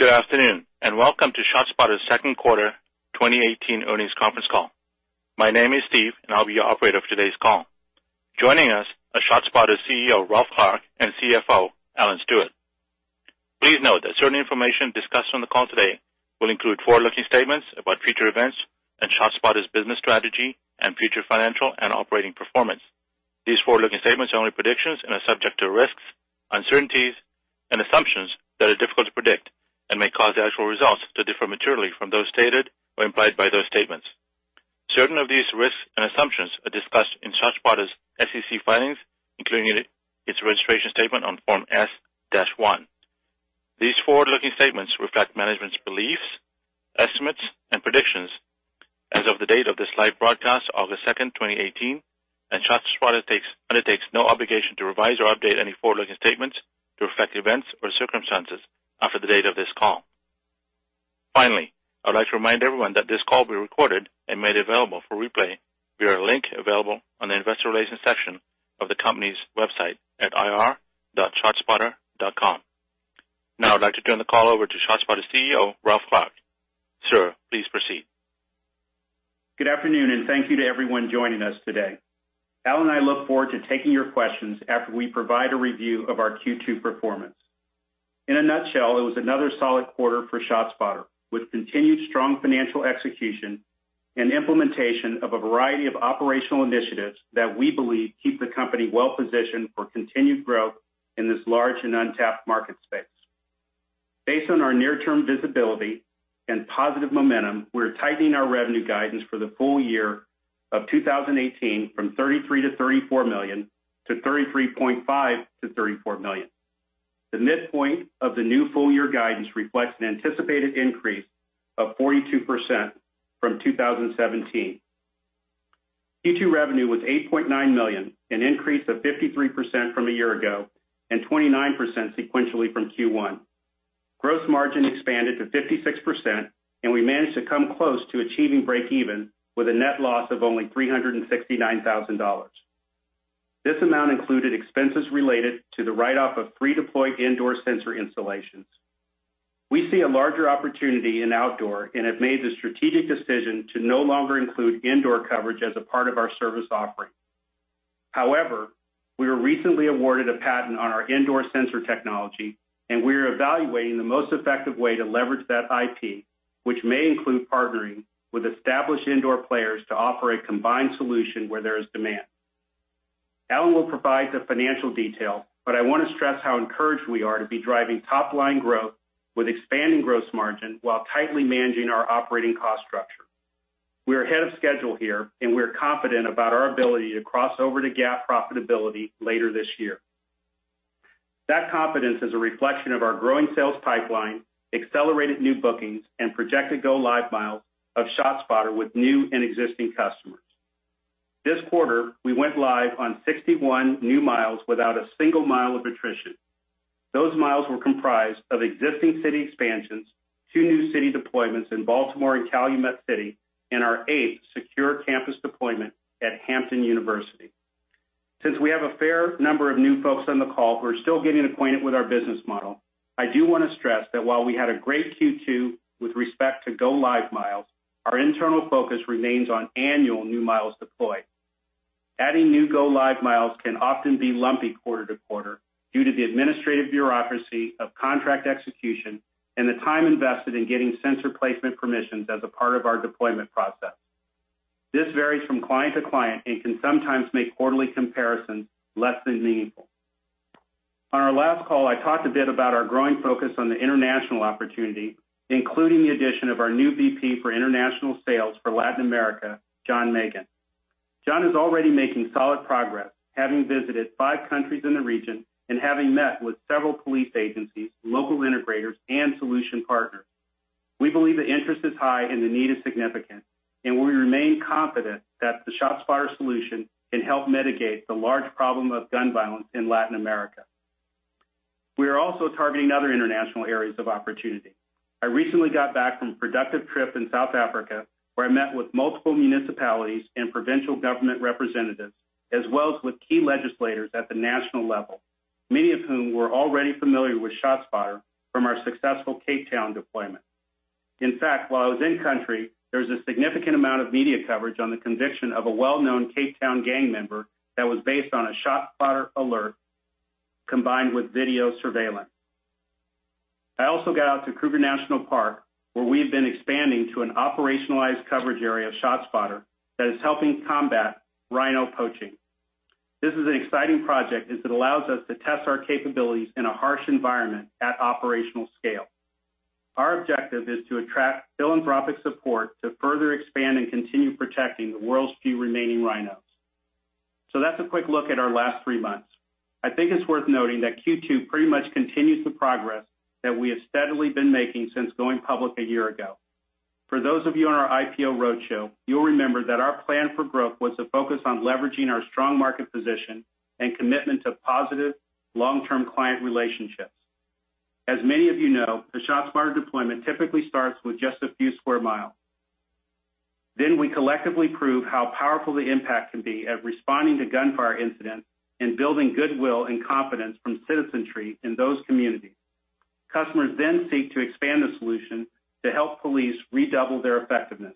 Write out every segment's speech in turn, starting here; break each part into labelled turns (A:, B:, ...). A: Good afternoon. Welcome to ShotSpotter's second quarter 2018 earnings conference call. My name is Steve. I'll be your operator for today's call. Joining us are ShotSpotter's CEO, Ralph Clark, and CFO, Alan Stewart. Please note that certain information discussed on the call today will include forward-looking statements about future events and ShotSpotter's business strategy and future financial and operating performance. These forward-looking statements are only predictions and are subject to risks, uncertainties, and assumptions that are difficult to predict and may cause the actual results to differ materially from those stated or implied by those statements. Certain of these risks and assumptions are discussed in ShotSpotter's SEC filings, including its registration statement on Form S-1. These forward-looking statements reflect management's beliefs, estimates, and predictions as of the date of this live broadcast, August 2nd, 2018. ShotSpotter undertakes no obligation to revise or update any forward-looking statements to reflect events or circumstances after the date of this call. Finally, I'd like to remind everyone that this call will be recorded and made available for replay via a link available on the investor relations section of the company's website at ir.shotspotter.com. Now I'd like to turn the call over to ShotSpotter's CEO, Ralph Clark. Sir, please proceed.
B: Good afternoon. Thank you to everyone joining us today. Al and I look forward to taking your questions after we provide a review of our Q2 performance. In a nutshell, it was another solid quarter for ShotSpotter, with continued strong financial execution and implementation of a variety of operational initiatives that we believe keep the company well-positioned for continued growth in this large and untapped market space. Based on our near-term visibility and positive momentum, we're tightening our revenue guidance for the full year of 2018 from $33 million-$34 million to $33.5 million-$34 million. The midpoint of the new full-year guidance reflects an anticipated increase of 42% from 2017. Q2 revenue was $8.9 million, an increase of 53% from a year ago and 29% sequentially from Q1. Gross margin expanded to 56%. We managed to come close to achieving breakeven with a net loss of only $369,000. This amount included expenses related to the write-off of pre-deployed indoor sensor installations. We see a larger opportunity in outdoor and have made the strategic decision to no longer include indoor coverage as a part of our service offering. However, we were recently awarded a patent on our indoor sensor technology. We are evaluating the most effective way to leverage that IP, which may include partnering with established indoor players to offer a combined solution where there is demand. Alan will provide the financial detail. I want to stress how encouraged we are to be driving top-line growth with expanding gross margin while tightly managing our operating cost structure. We are ahead of schedule here. We are confident about our ability to cross over to GAAP profitability later this year. That confidence is a reflection of our growing sales pipeline, accelerated new bookings, and projected go live miles of ShotSpotter with new and existing customers. This quarter, we went live on 61 new miles without a single mile of attrition. Those miles were comprised of existing city expansions, two new city deployments in Baltimore and Calumet City, and our eighth secure campus deployment at Hampton University. Since we have a fair number of new folks on the call who are still getting acquainted with our business model, I do want to stress that while we had a great Q2 with respect to go live miles, our internal focus remains on annual new miles deployed. Adding new go live miles can often be lumpy quarter to quarter due to the administrative bureaucracy of contract execution and the time invested in getting sensor placement permissions as a part of our deployment process. This varies from client to client and can sometimes make quarterly comparisons less than meaningful. On our last call, I talked a bit about our growing focus on the international opportunity, including the addition of our new VP for international sales for Latin America, Jon Magin. Jon is already making solid progress, having visited five countries in the region and having met with several police agencies, local integrators, and solution partners. We believe the interest is high and the need is significant. We remain confident that the ShotSpotter solution can help mitigate the large problem of gun violence in Latin America. We are also targeting other international areas of opportunity. I recently got back from a productive trip in South Africa, where I met with multiple municipalities and provincial government representatives, as well as with key legislators at the national level, many of whom were already familiar with ShotSpotter from our successful Cape Town deployment. In fact, while I was in country, there was a significant amount of media coverage on the conviction of a well-known Cape Town gang member that was based on a ShotSpotter alert combined with video surveillance. I also got out to Kruger National Park, where we've been expanding to an operationalized coverage area of ShotSpotter that is helping combat rhino poaching. This is an exciting project as it allows us to test our capabilities in a harsh environment at operational scale. Our objective is to attract philanthropic support to further expand and continue protecting the world's few remaining rhinos. That's a quick look at our last three months. I think it's worth noting that Q2 pretty much continues the progress that we have steadily been making since going public a year ago. For those of you on our IPO roadshow, you'll remember that our plan for growth was to focus on leveraging our strong market position and commitment to positive long-term client relationships. As many of you know, the ShotSpotter deployment typically starts with just a few square miles. We collectively prove how powerful the impact can be at responding to gunfire incidents and building goodwill and confidence from citizenry in those communities. Customers then seek to expand the solution to help police redouble their effectiveness.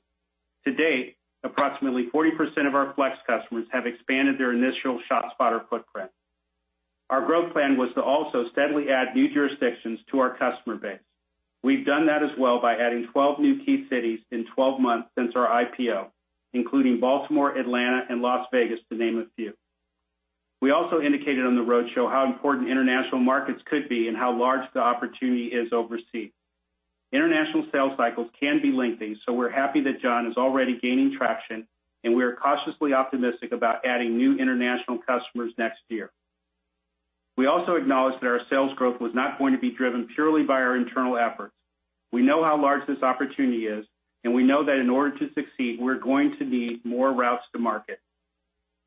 B: To date, approximately 40% of our Flex customers have expanded their initial ShotSpotter footprint. Our growth plan was to also steadily add new jurisdictions to our customer base. We've done that as well by adding 12 new key cities in 12 months since our IPO, including Baltimore, Atlanta, and Las Vegas, to name a few. We also indicated on the roadshow how important international markets could be and how large the opportunity is overseas. International sales cycles can be lengthy, so we're happy that Jon is already gaining traction, and we are cautiously optimistic about adding new international customers next year. We also acknowledge that our sales growth was not going to be driven purely by our internal efforts. We know how large this opportunity is, and we know that in order to succeed, we're going to need more routes to market.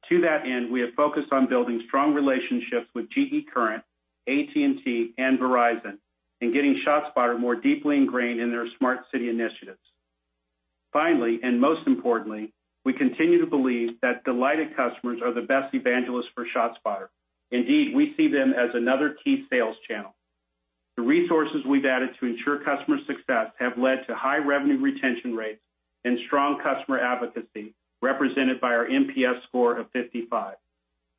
B: To that end, we have focused on building strong relationships with GE Current, AT&T, and Verizon, and getting ShotSpotter more deeply ingrained in their smart city initiatives. Finally, most importantly, we continue to believe that delighted customers are the best evangelists for ShotSpotter. Indeed, we see them as another key sales channel. The resources we've added to ensure customer success have led to high revenue retention rates and strong customer advocacy, represented by our NPS score of 55.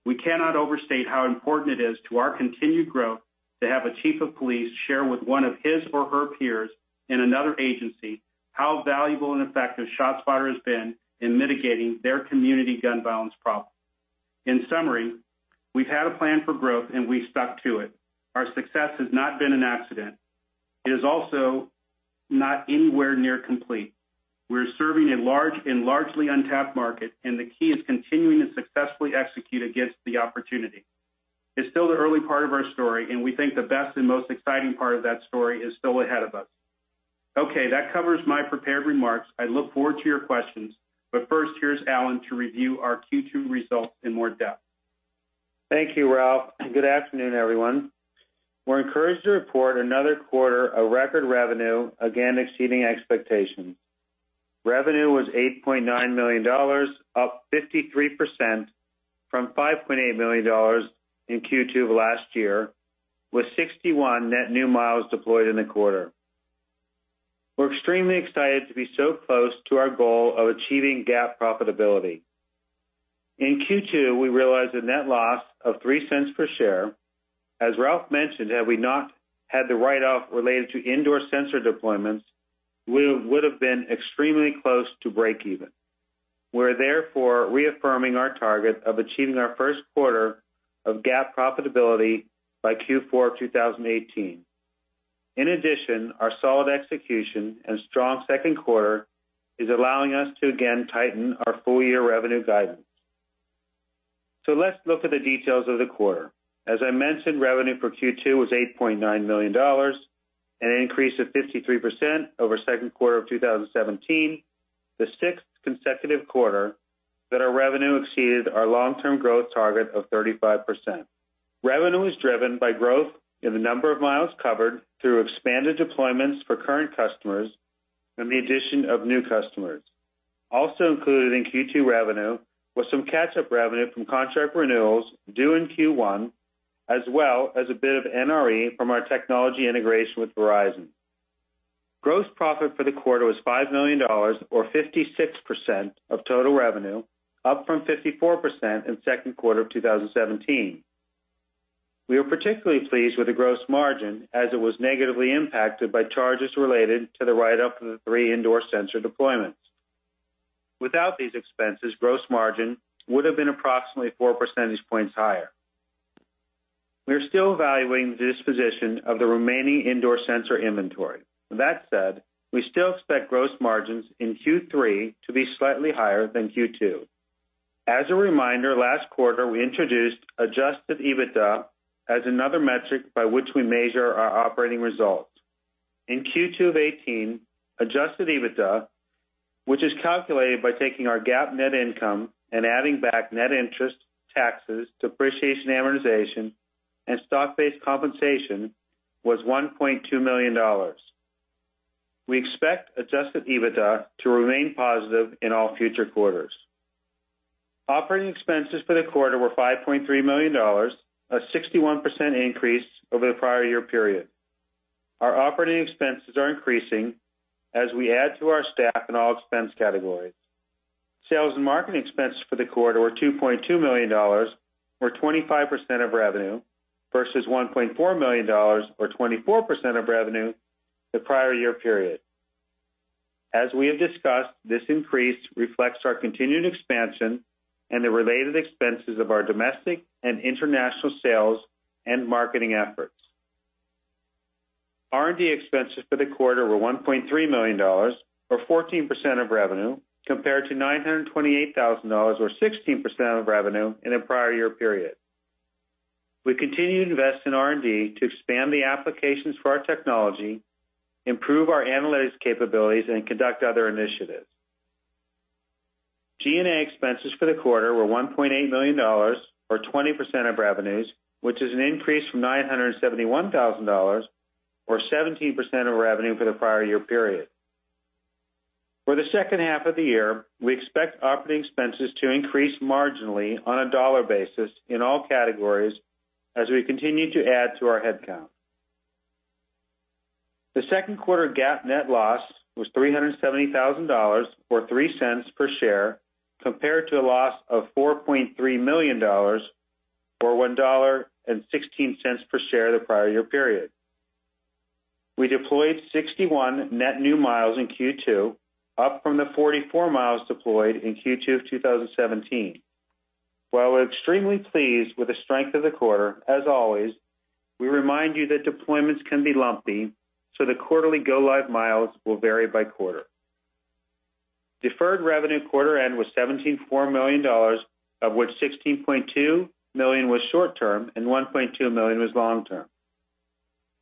B: We cannot overstate how important it is to our continued growth to have a chief of police share with one of his or her peers in another agency how valuable and effective ShotSpotter has been in mitigating their community gun violence problem. In summary, we've had a plan for growth, and we've stuck to it. Our success has not been an accident. It is also not anywhere near complete. We're serving a large and largely untapped market, and the key is continuing to successfully execute against the opportunity. It's still the early part of our story, and we think the best and most exciting part of that story is still ahead of us. Okay. That covers my prepared remarks. I look forward to your questions, first, here's Alan to review our Q2 results in more depth.
C: Thank you, Ralph, good afternoon, everyone. We're encouraged to report another quarter of record revenue, again exceeding expectations. Revenue was $8.9 million, up 53% from $5.8 million in Q2 of last year, with 61 net new miles deployed in the quarter. We're extremely excited to be so close to our goal of achieving GAAP profitability. In Q2, we realized a net loss of $0.03 per share. As Ralph mentioned, had we not had the write-off related to indoor sensor deployments, we would've been extremely close to breakeven. We're therefore reaffirming our target of achieving our first quarter of GAAP profitability by Q4 of 2018. In addition, our solid execution and strong second quarter is allowing us to again tighten our full-year revenue guidance. Let's look at the details of the quarter. As I mentioned, revenue for Q2 was $8.9 million, an increase of 53% over second quarter of 2017, the sixth consecutive quarter that our revenue exceeded our long-term growth target of 35%. Revenue was driven by growth in the number of miles covered through expanded deployments for current customers and the addition of new customers. Also included in Q2 revenue was some catch-up revenue from contract renewals due in Q1, as well as a bit of NRE from our technology integration with Verizon. Gross profit for the quarter was $5 million, or 56% of total revenue, up from 54% in second quarter of 2017. We are particularly pleased with the gross margin, as it was negatively impacted by charges related to the write-up of the three indoor sensor deployments. Without these expenses, gross margin would've been approximately four percentage points higher. We are still evaluating the disposition of the remaining indoor sensor inventory. With that said, we still expect gross margins in Q3 to be slightly higher than Q2. As a reminder, last quarter, we introduced adjusted EBITDA as another metric by which we measure our operating results. In Q2 of '18, adjusted EBITDA, which is calculated by taking our GAAP net income and adding back net interest, taxes, depreciation, amortization, and stock-based compensation, was $1.2 million. We expect adjusted EBITDA to remain positive in all future quarters. Operating expenses for the quarter were $5.3 million, a 61% increase over the prior-year period. Our operating expenses are increasing as we add to our staff in all expense categories. Sales and marketing expenses for the quarter were $2.2 million, or 25% of revenue, versus $1.4 million or 24% of revenue the prior-year period. As we have discussed, this increase reflects our continued expansion and the related expenses of our domestic and international sales and marketing efforts. R&D expenses for the quarter were $1.3 million, or 14% of revenue, compared to $928,000 or 16% of revenue in the prior-year period. We continue to invest in R&D to expand the applications for our technology, improve our analytics capabilities, and conduct other initiatives. G&A expenses for the quarter were $1.8 million, or 20% of revenues, which is an increase from $971,000 or 17% of revenue for the prior-year period. For the second half of the year, we expect operating expenses to increase marginally on a dollar basis in all categories as we continue to add to our headcount. The second quarter GAAP net loss was $370,000, or $0.03 per share, compared to a loss of $4.3 million, or $1.16 per share, the prior-year period. We deployed 61 net new miles in Q2, up from the 44 miles deployed in Q2 of 2017. While we're extremely pleased with the strength of the quarter, as always, we remind you that deployments can be lumpy, so the quarterly go live miles will vary by quarter. Deferred revenue quarter end was $174 million, of which $16.2 million was short-term and $1.2 million was long-term.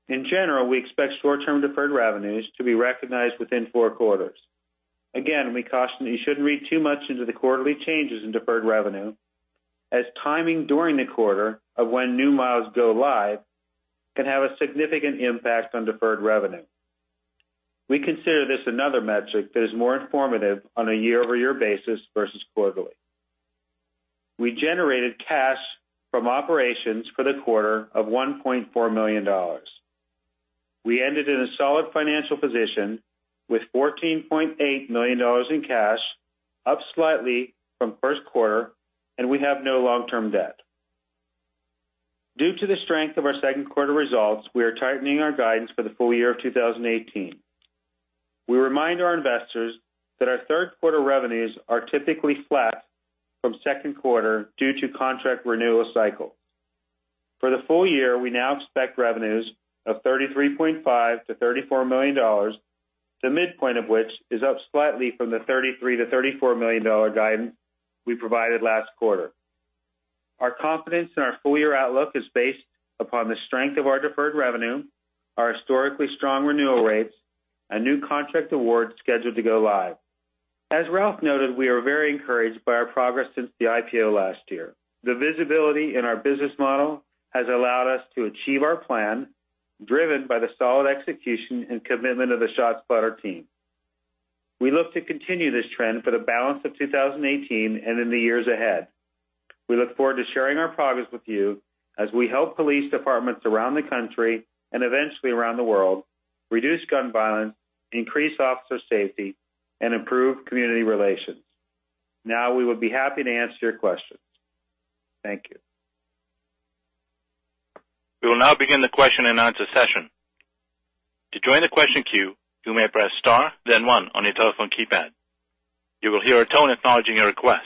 C: In general, we expect short-term deferred revenues to be recognized within four quarters. Again, we caution that you shouldn't read too much into the quarterly changes in deferred revenue, as timing during the quarter of when new miles go live can have a significant impact on deferred revenue. We consider this another metric that is more informative on a year-over-year basis versus quarterly. We generated cash from operations for the quarter of $1.4 million. We ended in a solid financial position with $14.8 million in cash, up slightly from first quarter, and we have no long-term debt. Due to the strength of our second quarter results, we are tightening our guidance for the full year of 2018. We remind our investors that our third quarter revenues are typically flat from second quarter due to contract renewal cycle. For the full year, we now expect revenues of $33.5 million-$34 million, the midpoint of which is up slightly from the $33 million-$34 million guidance we provided last quarter. Our confidence in our full year outlook is based upon the strength of our deferred revenue, our historically strong renewal rates, and new contract awards scheduled to go live. As Ralph noted, we are very encouraged by our progress since the IPO last year. The visibility in our business model has allowed us to achieve our plan, driven by the solid execution and commitment of the ShotSpotter team. We look to continue this trend for the balance of 2018 and in the years ahead. We look forward to sharing our progress with you as we help police departments around the country, and eventually around the world, reduce gun violence, increase officer safety, and improve community relations. We would be happy to answer your questions. Thank you.
A: We will now begin the question and answer session. To join the question queue, you may press star then one on your telephone keypad. You will hear a tone acknowledging your request.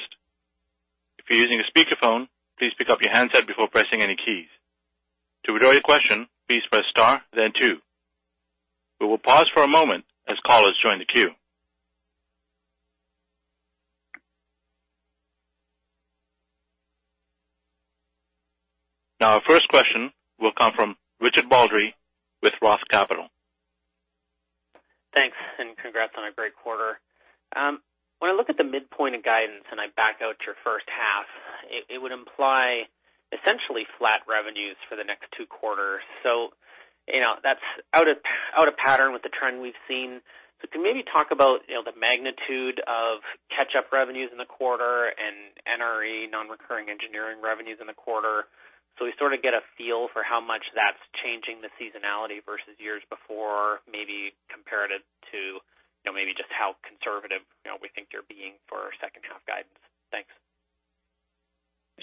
A: If you're using a speakerphone, please pick up your handset before pressing any keys. To withdraw your question, please press star then two. We will pause for a moment as callers join the queue. Our first question will come from Richard Baldry with Roth Capital.
D: Thanks. Congrats on a great quarter. When I look at the midpoint of guidance and I back out your first half, it would imply essentially flat revenues for the next two quarters. That's out of pattern with the trend we've seen. Could you maybe talk about the magnitude of catch-up revenues in the quarter and NRE, non-recurring engineering revenues in the quarter, so we sort of get a feel for how much that's changing the seasonality versus years before, maybe comparative to maybe just how conservative we think you're being for second half guidance. Thanks.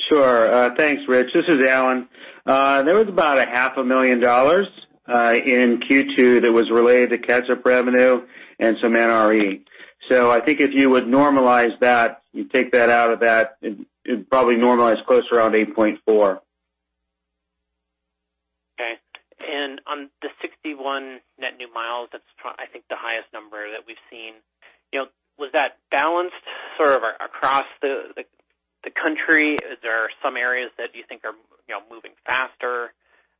C: Sure. Thanks, Rich. This is Alan. There was about a half a million dollars in Q2 that was related to catch-up revenue and some NRE. I think if you would normalize that, you take that out of that, it would probably normalize close to around $8.4.
D: Okay. On the 61 net new miles, that's I think the highest number that we've seen. Was that balanced sort of across the country? Is there some areas that you think are moving faster?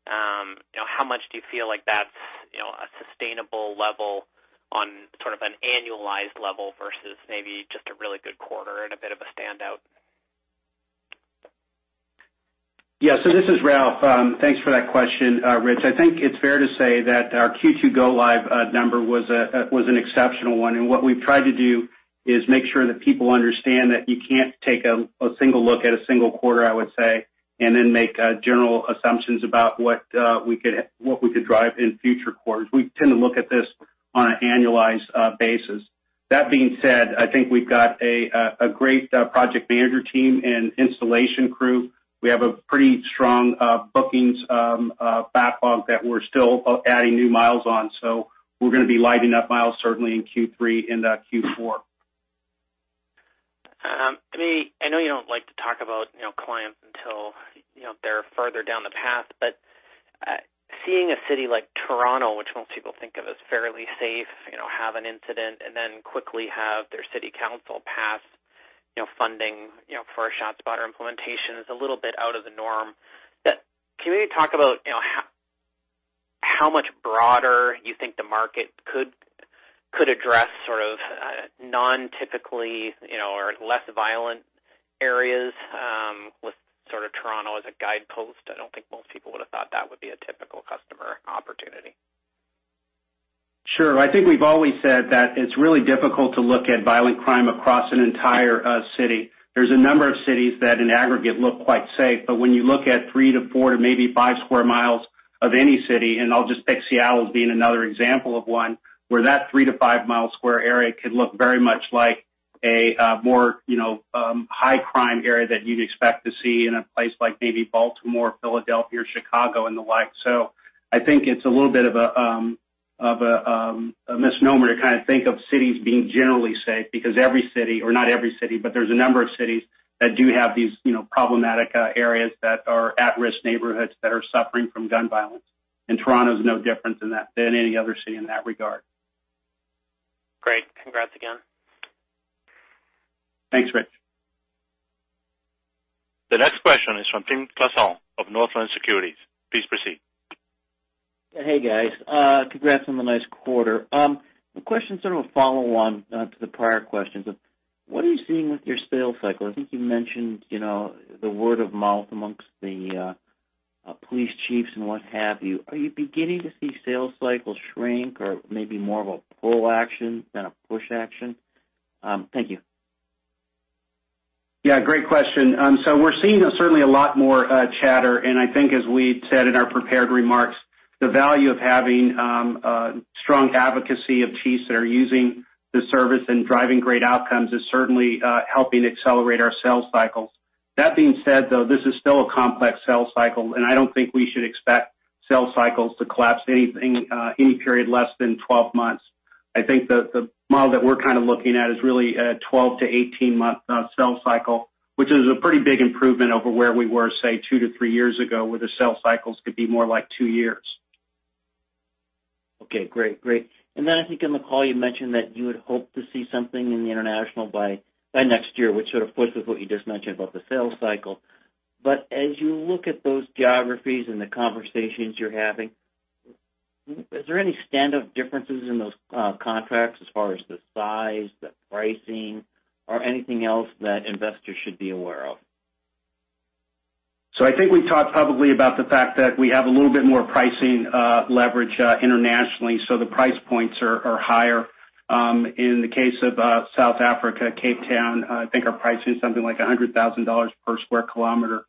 D: How much do you feel like that's a sustainable level on sort of an annualized level versus maybe just a really good quarter and a bit of a standout?
B: Yeah. This is Ralph. Thanks for that question, Rich. I think it's fair to say that our Q2 go live number was an exceptional one. What we've tried to do is make sure that people understand that you can't take a single look at a single quarter, I would say, and then make general assumptions about what we could drive in future quarters. We tend to look at this on an annualized basis. That being said, I think we've got a great project manager team and installation crew. We have a pretty strong bookings backlog that we're still adding new miles on, so we're going to be lighting up miles certainly in Q3 into Q4.
D: I know you don't like to talk about clients until they're further down the path, seeing a city like Toronto, which most people think of as fairly safe, have an incident and then quickly have their city council pass funding for a ShotSpotter implementation is a little bit out of the norm. Can you talk about how much broader you think the market could address sort of non-typically or less violent areas, with sort of Toronto as a guidepost? I don't think most people would've thought that would be a typical customer opportunity.
B: Sure. I think we've always said that it's really difficult to look at violent crime across an entire city. There's a number of cities that in aggregate look quite safe. When you look at three to four to maybe five square miles of any city, and I'll just pick Seattle as being another example of one, where that three-to-five mile square area could look very much like a more high crime area that you'd expect to see in a place like maybe Baltimore, Philadelphia, or Chicago and the like. I think it's a little bit of a misnomer to kind of think of cities being generally safe because every city, or not every city, but there's a number of cities that do have these problematic areas that are at-risk neighborhoods that are suffering from gun violence. Toronto's no different than any other city in that regard.
D: Great. Congrats again.
B: Thanks, Rich.
A: The next question is from Tyler Wood of Northland Securities. Please proceed.
E: Hey, guys. Congrats on the nice quarter. The question's sort of a follow-on to the prior questions of, what are you seeing with your sales cycle? I think you mentioned the word of mouth amongst the police chiefs and what have you. Are you beginning to see sales cycles shrink or maybe more of a pull action than a push action? Thank you.
B: Yeah, great question. We're seeing certainly a lot more chatter, I think as we said in our prepared remarks, the value of having strong advocacy of chiefs that are using the service and driving great outcomes is certainly helping accelerate our sales cycles. That being said, though, this is still a complex sales cycle. I don't think we should expect sales cycles to collapse any period less than 12 months. I think the model that we're kind of looking at is really a 12- to 18-month sales cycle, which is a pretty big improvement over where we were, say, 2 to 3 years ago, where the sales cycles could be more like 2 years.
E: Okay, great. I think on the call you mentioned that you would hope to see something in the international by next year, which sort of fits with what you just mentioned about the sales cycle. As you look at those geographies and the conversations you're having, is there any stand-up differences in those contracts as far as the size, the pricing, or anything else that investors should be aware of?
B: I think we've talked publicly about the fact that we have a little bit more pricing leverage internationally, so the price points are higher. In the case of South Africa, Cape Town, I think our pricing is something like $100,000 per square kilometer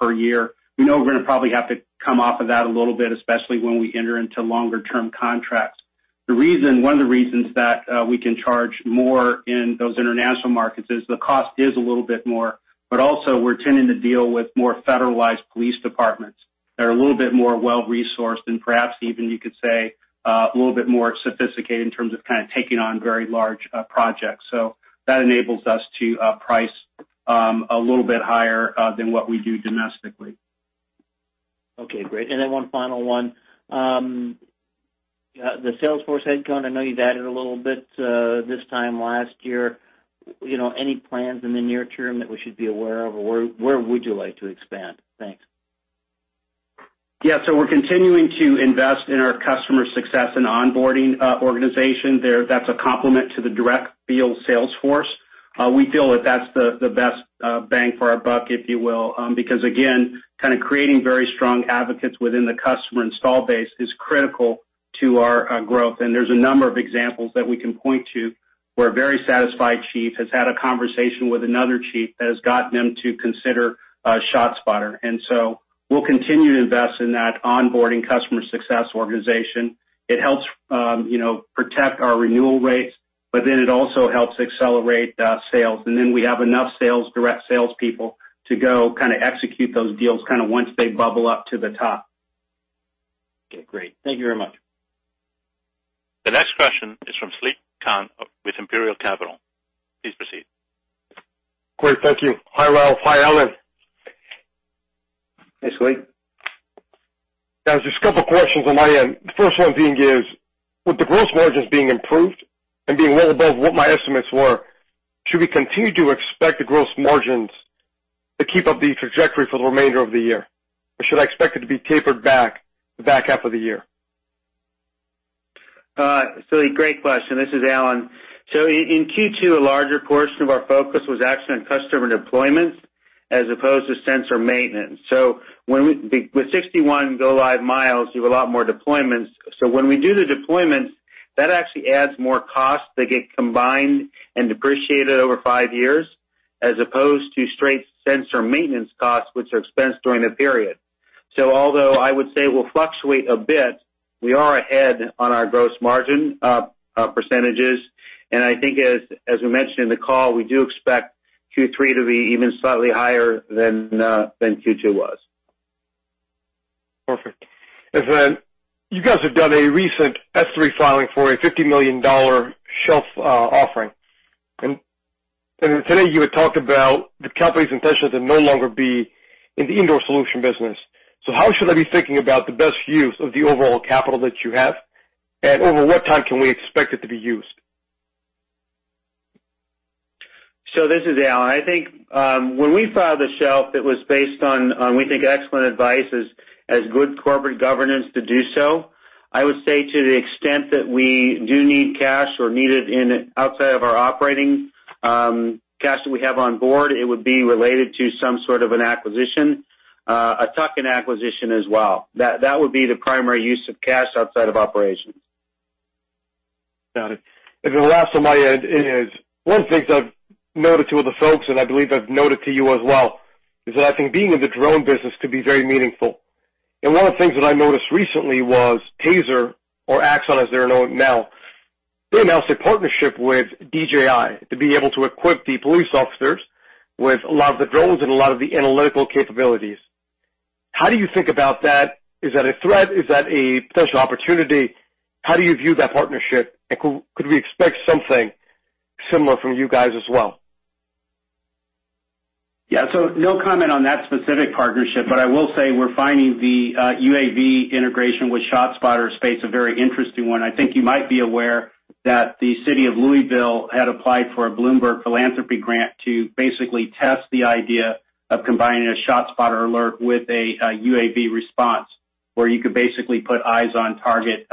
B: per year. We know we're gonna probably have to come off of that a little bit, especially when we enter into longer-term contracts. One of the reasons that we can charge more in those international markets is the cost is a little bit more, but also we're tending to deal with more federalized police departments that are a little bit more well-resourced and perhaps even you could say, a little bit more sophisticated in terms of kind of taking on very large projects. That enables us to price a little bit higher than what we do domestically.
E: Okay, great. One final one. The salesforce headcount, I know you've added a little bit this time last year. Any plans in the near term that we should be aware of, or where would you like to expand? Thanks.
B: Yeah. We're continuing to invest in our customer success and onboarding organization there. That's a complement to the direct field salesforce. We feel that that's the best bang for our buck, if you will. Again, kind of creating very strong advocates within the customer install base is critical to our growth. There's a number of examples that we can point to where a very satisfied chief has had a conversation with another chief that has gotten them to consider ShotSpotter. We'll continue to invest in that onboarding customer success organization. It helps protect our renewal rates, it also helps accelerate sales. We have enough direct sales people to go execute those deals once they bubble up to the top.
E: Okay, great. Thank you very much.
A: The next question is from Saliq Khan with Imperial Capital. Please proceed.
F: Great. Thank you. Hi, Ralph. Hi, Alan.
B: Hey, Saliq.
F: There's just a couple questions on my end. The first one being is, with the gross margins being improved and being well above what my estimates were, should we continue to expect the gross margins to keep up the trajectory for the remainder of the year? Should I expect it to be tapered back the back half of the year?
C: Saliq, great question. This is Alan. In Q2, a larger portion of our focus was actually on customer deployments as opposed to sensor maintenance. With 61 go-live miles, you have a lot more deployments. When we do the deployments, that actually adds more costs that get combined and depreciated over five years, as opposed to straight sensor maintenance costs, which are expensed during the period. Although I would say we'll fluctuate a bit, we are ahead on our gross margin percentages, and I think as we mentioned in the call, we do expect Q3 to be even slightly higher than Q2 was.
F: Perfect. You guys have done a recent S-3 filing for a $50 million shelf offering. Today you had talked about the company's intention to no longer be in the indoor solution business. How should I be thinking about the best use of the overall capital that you have? Over what time can we expect it to be used?
C: This is Alan. I think when we filed the shelf, it was based on, we think, excellent advice as good corporate governance to do so. I would say to the extent that we do need cash or need it outside of our operating cash that we have on board, it would be related to some sort of an acquisition, a tuck-in acquisition as well. That would be the primary use of cash outside of operations.
F: Got it. Last on my end is, one of the things I've noted to other folks, and I believe I've noted to you as well, is that I think being in the drone business could be very meaningful. One of the things that I noticed recently was TASER, or Axon as they're known now, they announced a partnership with DJI to be able to equip the police officers with a lot of the drones and a lot of the analytical capabilities. How do you think about that? Is that a threat? Is that a potential opportunity? How do you view that partnership? Could we expect something similar from you guys as well?
B: Yeah. No comment on that specific partnership, but I will say we're finding the UAV integration with ShotSpotter space a very interesting one. I think you might be aware that the City of Louisville had applied for a Bloomberg Philanthropies grant to basically test the idea of combining a ShotSpotter alert with a UAV response, where you could basically put eyes on target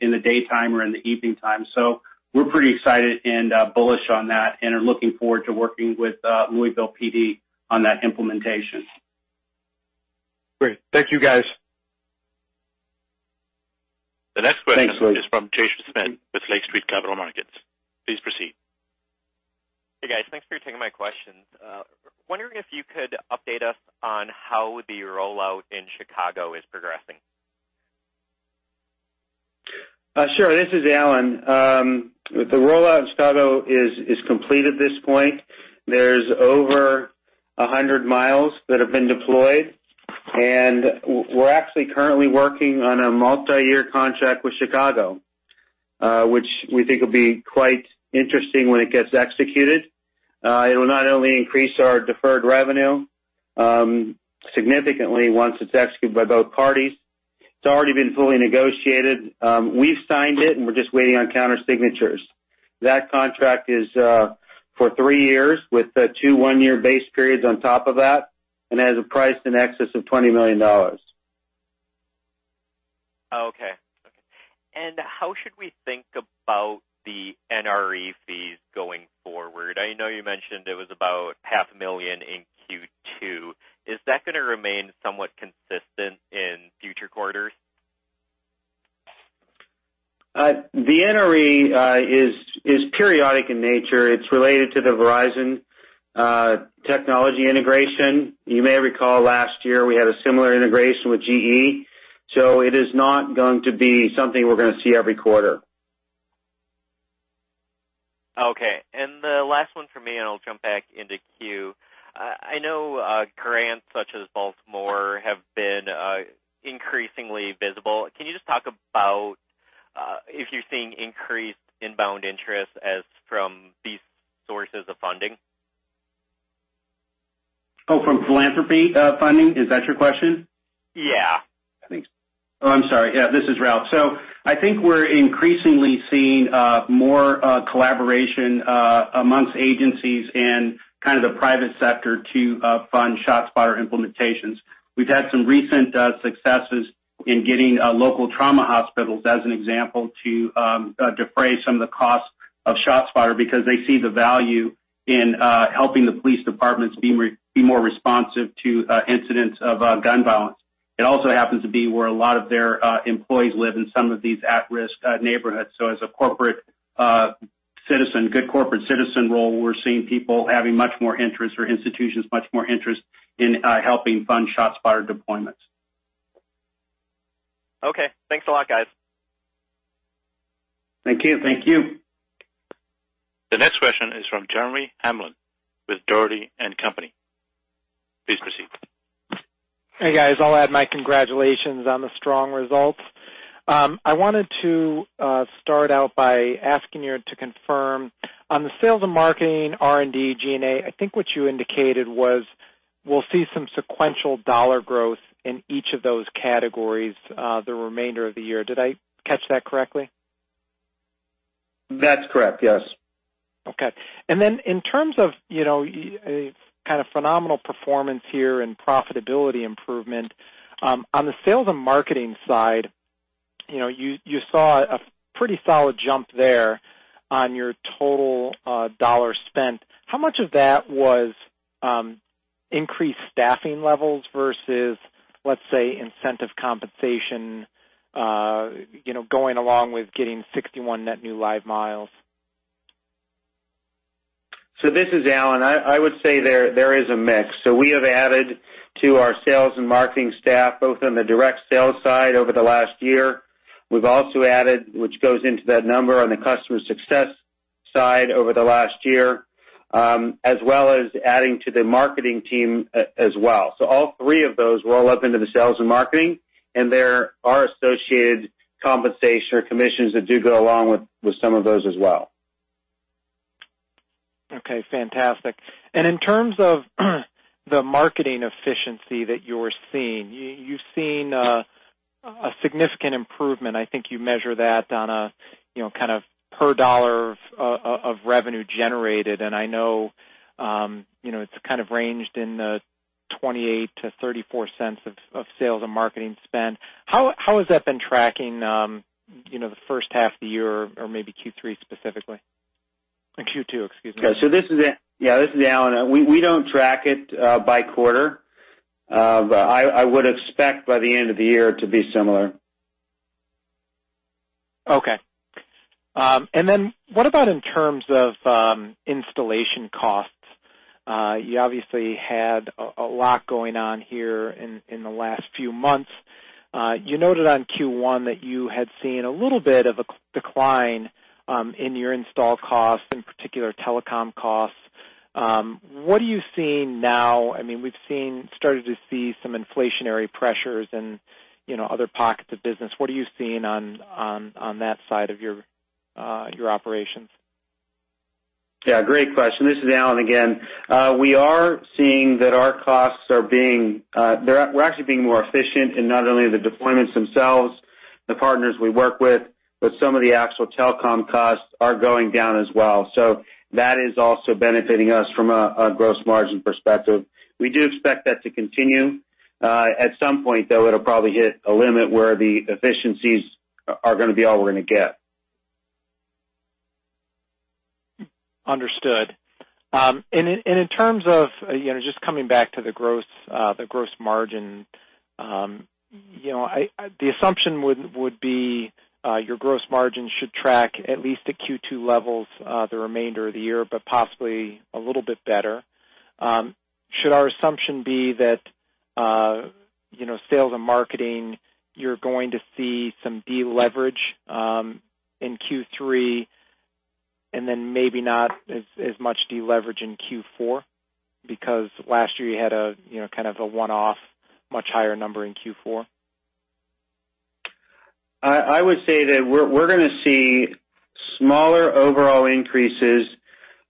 B: in the daytime or in the evening time. We're pretty excited and bullish on that, and are looking forward to working with Louisville PD on that implementation.
F: Great. Thank you, guys.
A: The next question-
B: Thanks, Saliq. is from Jaeson Schmidt with Lake Street Capital Markets. Please proceed.
G: Hey, guys. Thanks for taking my questions. Wondering if you could update us on how the rollout in Chicago is progressing.
C: Sure. This is Alan. The rollout in Chicago is complete at this point. There's over 100 miles that have been deployed. We're actually currently working on a multi-year contract with Chicago, which we think will be quite interesting when it gets executed. It will not only increase our deferred revenue significantly once it's executed by both parties. It's already been fully negotiated. We've signed it, and we're just waiting on counter-signatures. That contract is for three years with two one-year base periods on top of that, and has a price in excess of $20 million.
G: Okay. How should we think about the NRE fees going forward? I know you mentioned it was about half a million in Q2. Is that going to remain somewhat consistent in future quarters?
C: The NRE is periodic in nature. It's related to the Verizon technology integration. You may recall last year we had a similar integration with GE. It is not going to be something we're going to see every quarter.
G: Okay. The last one from me, and I'll jump back into queue. I know grants such as Baltimore have been increasingly visible. Can you just talk about if you're seeing increased inbound interest as from these sources of funding?
B: Oh, from philanthropy funding? Is that your question?
G: Yeah. I think so.
B: Oh, I'm sorry. Yeah, this is Ralph. I think we're increasingly seeing more collaboration amongst agencies and kind of the private sector to fund ShotSpotter implementations. We've had some recent successes in getting local trauma hospitals, as an example, to defray some of the cost of ShotSpotter because they see the value in helping the police departments be more responsive to incidents of gun violence. It also happens to be where a lot of their employees live in some of these at-risk neighborhoods. As a corporate citizen, good corporate citizen role, we're seeing people having much more interest, or institutions much more interest in helping fund ShotSpotter deployments.
G: Okay. Thanks a lot, guys.
B: Thank you.
A: The next question is from Jeremy Hamblin with Dougherty & Company. Please proceed.
H: Hey, guys. I'll add my congratulations on the strong results. I wanted to start out by asking you to confirm on the sales and marketing R&D G&A, I think what you indicated was we'll see some sequential dollar growth in each of those categories the remainder of the year. Did I catch that correctly?
C: That's correct, yes.
H: Okay. Then in terms of kind of phenomenal performance here and profitability improvement, on the sales and marketing side, you saw a pretty solid jump there on your total $ spent. How much of that was increased staffing levels versus, let's say, incentive compensation going along with getting 61 net new live miles?
C: This is Alan. I would say there is a mix. We have added to our sales and marketing staff, both on the direct sales side over the last year. We've also added, which goes into that number on the customer success side over the last year, as well as adding to the marketing team as well. All three of those roll up into the sales and marketing, and there are associated compensation or commissions that do go along with some of those as well.
H: Okay, fantastic. In terms of the marketing efficiency that you're seeing, you've seen a significant improvement. I think you measure that on a per $ of revenue generated. I know it's kind of ranged in the $0.28-$0.34 of sales and marketing spend. How has that been tracking the first half of the year or maybe Q3 specifically? Q2, excuse me.
C: This is Alan. We don't track it by quarter. I would expect by the end of the year to be similar.
H: What about in terms of installation costs? You obviously had a lot going on here in the last few months. You noted on Q1 that you had seen a little bit of a decline in your install costs, in particular, telecom costs. What are you seeing now? We've started to see some inflationary pressures in other pockets of business. What are you seeing on that side of your operations?
C: Great question. This is Alan again. We are seeing that our costs are We're actually being more efficient in not only the deployments themselves, the partners we work with, but some of the actual telecom costs are going down as well. That is also benefiting us from a gross margin perspective. We do expect that to continue. At some point, though, it'll probably hit a limit where the efficiencies are going to be all we're going to get.
H: Understood. In terms of, just coming back to the gross margin, the assumption would be your gross margin should track at least at Q2 levels the remainder of the year, but possibly a little bit better. Should our assumption be that sales and marketing, you're going to see some deleverage in Q3 and then maybe not as much deleverage in Q4? Because last year you had a kind of a one-off much higher number in Q4.
C: I would say that we're going to see smaller overall increases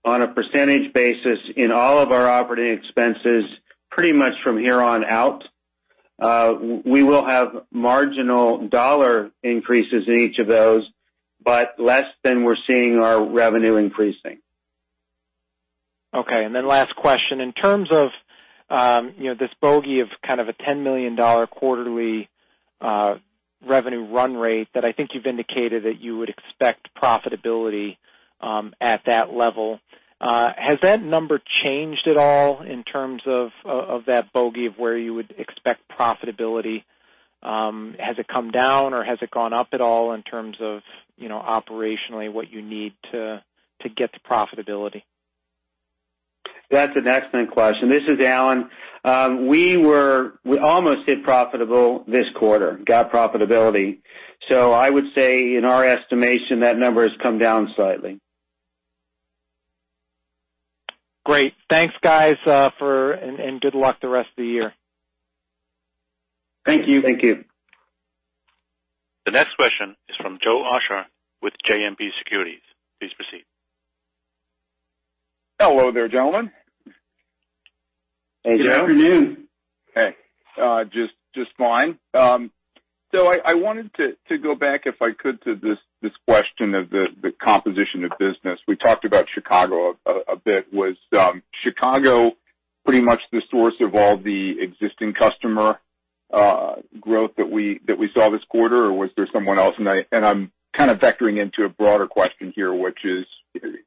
C: on a percentage basis in all of our operating expenses pretty much from here on out. We will have marginal dollar increases in each of those, but less than we're seeing our revenue increasing.
H: Last question. In terms of this bogey of kind of a $10 million quarterly revenue run rate that I think you've indicated that you would expect profitability at that level, has that number changed at all in terms of that bogey of where you would expect profitability? Has it come down or has it gone up at all in terms of operationally what you need to get to profitability?
C: That's an excellent question. This is Alan. We almost hit profitable this quarter, got profitability. I would say in our estimation, that number has come down slightly.
H: Great. Thanks, guys, and good luck the rest of the year.
C: Thank you. Thank you.
A: The next question is from Joe Osha with JMP Securities. Please proceed.
I: Hello there, gentlemen.
C: Hey, Joe. Good afternoon.
I: Hey. Just fine. I wanted to go back, if I could, to this question of the composition of business. We talked about Chicago a bit. Was Chicago pretty much the source of all the existing customer growth that we saw this quarter, or was there someone else? I'm kind of vectoring into a broader question here, which is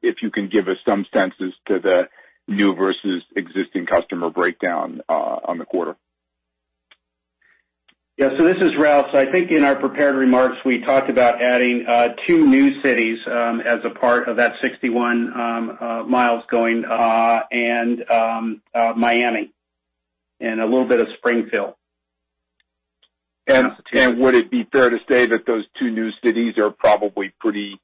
I: if you can give us some senses to the new versus existing customer breakdown on the quarter.
B: Yeah. This is Ralph. I think in our prepared remarks, we talked about adding two new cities as a part of that 61 miles going, [live, Baltimore and Calumet City. The rest were expansions from a combination of Chicago,
I: Would it be fair to say that those two new cities are probably pretty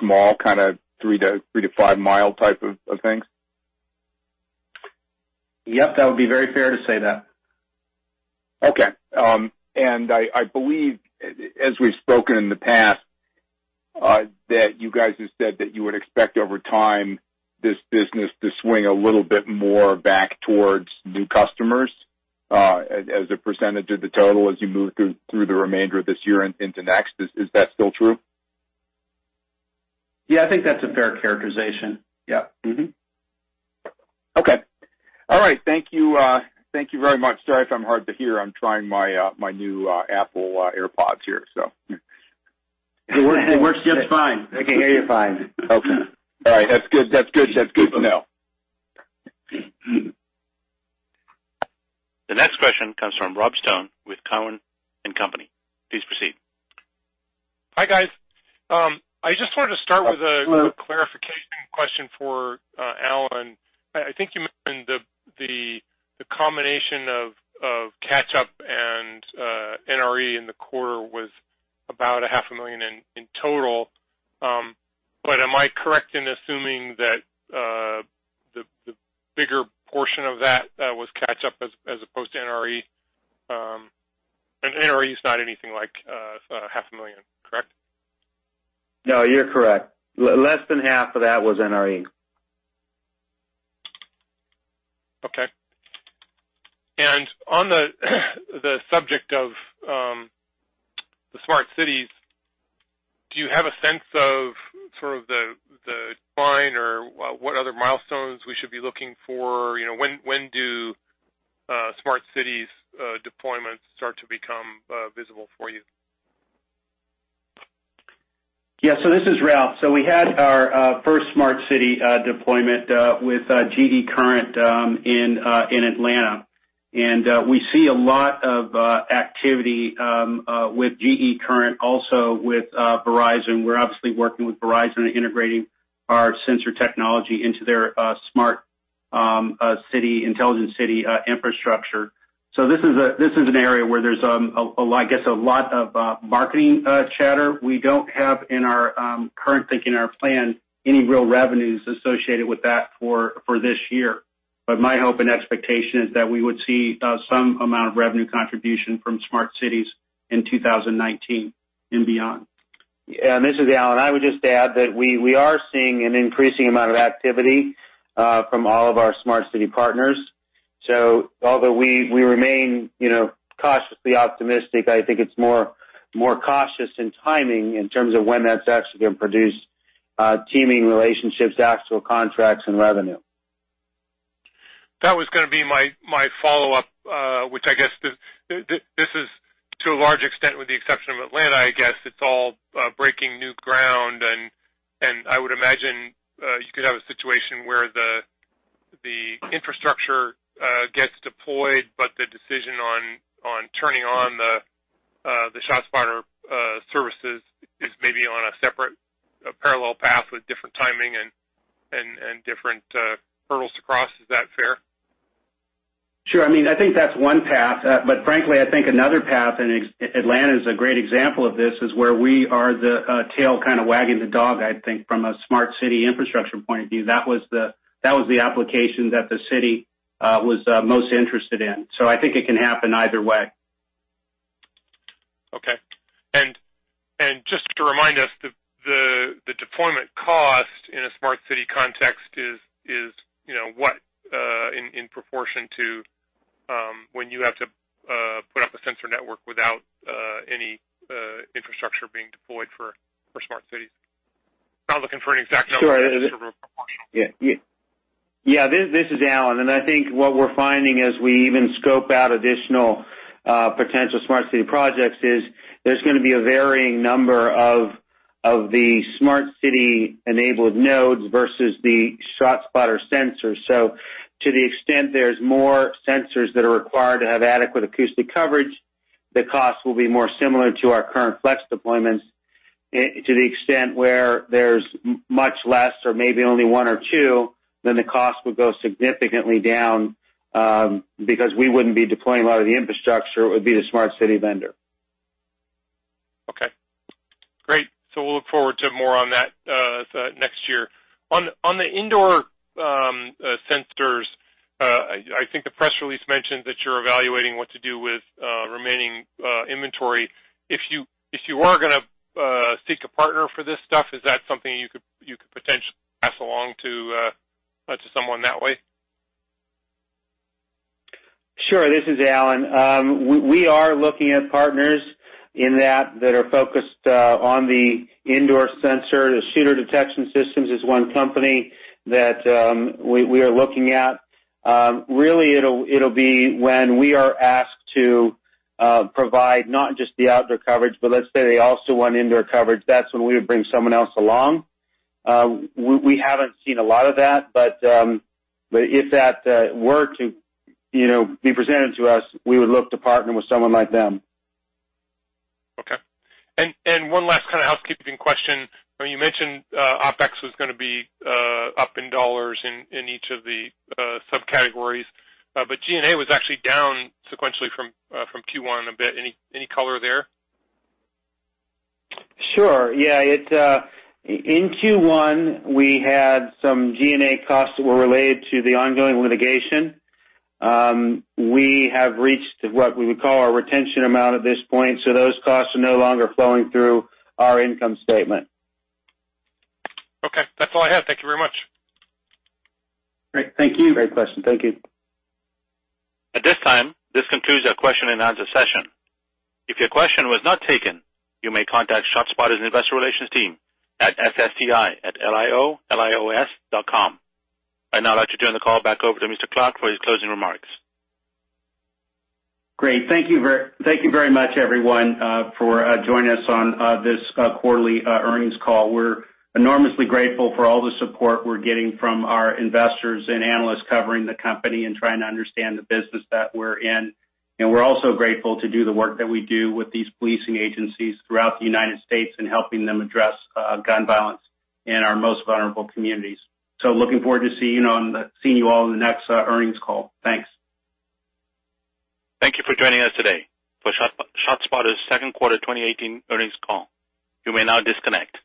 I: small, kind of 3-5 mile type of things?
B: Yep, that would be very fair to say that.
I: Okay. I believe, as we've spoken in the past, that you guys have said that you would expect over time this business to swing a little bit more back towards new customers as a percentage of the total as you move through the remainder of this year and into next. Is that still true?
B: Yeah, I think that's a fair characterization. Yeah. Mm-hmm.
I: Okay. All right. Thank you very much. Sorry if I'm hard to hear, I'm trying my new Apple AirPods here.
B: It works just fine. I can hear you fine.
I: Okay. All right. That's good to know.
A: The next question comes from Rob Stone with Cowen and Company. Please proceed.
J: Hi, guys. I just wanted to start with a clarification question for Alan. I think you mentioned the combination of catch-up and NRE in the quarter was about a half a million in total. Am I correct in assuming that the bigger portion of that was catch-up as opposed to NRE? And NRE is not anything like half a million, correct?
C: No, you're correct. Less than half of that was NRE.
J: Do you have a sense of sort of the timeline or what other milestones we should be looking for? When do smart cities deployments start to become visible for you?
B: This is Ralph. We had our first smart city deployment with GE Current in Atlanta, we see a lot of activity with GE Current, also with Verizon. We're obviously working with Verizon in integrating our sensor technology into their smart city, intelligent city infrastructure. This is an area where there's, I guess, a lot of marketing chatter. We don't have, in our current thinking, our plan, any real revenues associated with that for this year. My hope and expectation is that we would see some amount of revenue contribution from smart cities in 2019 and beyond.
C: This is Alan. I would just add that we are seeing an increasing amount of activity from all of our smart city partners. Although we remain cautiously optimistic, I think it's more cautious in timing in terms of when that's actually going to produce teaming relationships, actual contracts, and revenue.
J: That was going to be my follow-up, which I guess, this is to a large extent, with the exception of Atlanta, I guess it's all breaking new ground. I would imagine you could have a situation where the infrastructure gets deployed, but the decision on turning on the ShotSpotter services is maybe on a separate parallel path with different timing and different hurdles to cross. Is that fair?
B: Sure. I think that's one path. Frankly, I think another path, and Atlanta is a great example of this, is where we are the tail kind of wagging the dog, I think, from a smart city infrastructure point of view. That was the application that the city was most interested in. I think it can happen either way.
J: Okay. Just to remind us, the deployment cost in a smart city context is what, in proportion to when you have to put up a sensor network without any infrastructure being deployed for smart cities? Not looking for an exact number-
C: Sure
J: Just sort of a proportion.
C: Yeah. This is Alan. I think what we're finding as we even scope out additional potential smart city projects is there's going to be a varying number of the smart city-enabled nodes versus the ShotSpotter sensors. To the extent there's more sensors that are required to have adequate acoustic coverage, the cost will be more similar to our current ShotSpotter Flex deployments. To the extent where there's much less, or maybe only one or two, the cost would go significantly down, because we wouldn't be deploying a lot of the infrastructure. It would be the smart city vendor.
J: Okay, great. We'll look forward to more on that next year. On the indoor sensors, I think the press release mentioned that you're evaluating what to do with remaining inventory. If you are going to seek a partner for this stuff, is that something you could potentially pass along to someone that way?
C: Sure. This is Alan. We are looking at partners in that are focused on the indoor sensor. Shooter Detection Systems is one company that we are looking at. Really, it'll be when we are asked to provide not just the outdoor coverage, but let's say they also want indoor coverage, that's when we would bring someone else along. We haven't seen a lot of that, but if that were to be presented to us, we would look to partner with someone like them.
J: Okay. One last kind of housekeeping question. You mentioned OpEx was going to be up in $ in each of the subcategories, but G&A was actually down sequentially from Q1 a bit. Any color there?
C: Sure, yeah. In Q1, we had some G&A costs that were related to the ongoing litigation. We have reached what we would call our retention amount at this point. Those costs are no longer flowing through our income statement.
J: Okay. That's all I have. Thank you very much.
B: Great. Thank you.
C: Great question. Thank you.
A: At this time, this concludes our question and answer session. If your question was not taken, you may contact ShotSpotter's investor relations team at ssti@liolios.com. I'd now like to turn the call back over to Mr. Clark for his closing remarks.
B: Great. Thank you very much, everyone, for joining us on this quarterly earnings call. We're enormously grateful for all the support we're getting from our investors and analysts covering the company and trying to understand the business that we're in. We're also grateful to do the work that we do with these policing agencies throughout the U.S. and helping them address gun violence in our most vulnerable communities. Looking forward to seeing you all on the next earnings call. Thanks.
A: Thank you for joining us today for ShotSpotter's second quarter 2018 earnings call. You may now disconnect.